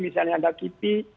misalnya ada kiti